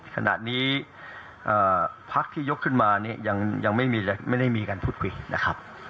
ขณะนี้พักที่ยกขึ้นมาเนี่ยยังไม่ได้มีการพูดคุยนะครับ